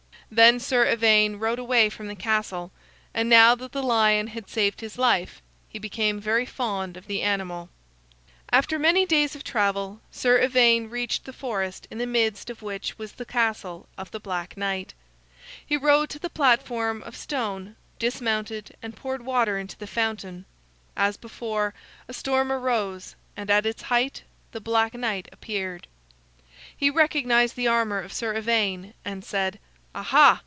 Then Sir Ivaine rode away from the castle; and now that the lion had saved his life, he became very fond of the animal. [Illustration: "He dismounted and poured water into the fountain"] After many days of travel, Sir Ivaine reached the forest in the midst of which was the castle of the Black Knight. He rode to the platform of stone, dismounted and poured water into the fountain. As before, a storm arose, and at its height the Black Knight appeared. He recognized the armor of Sir Ivaine, and said: "Aha!